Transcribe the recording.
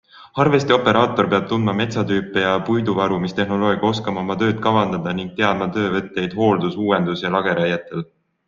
Harvesterioperaator peab tundma metsatüüpe ja puiduvarumistehnoloogiaid, oskama oma tööd kavandada ning teadma töövõtteid hooldus-, uuendus- ja lageraietel.